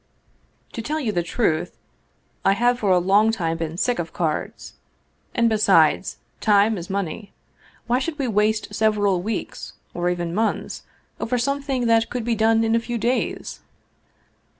" To tell you the truth, I have for a long time been sick of cards! And, besides, time is money! Why should we waste several weeks, or even months, over something that could be done in a few days?"